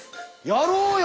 やろうよ！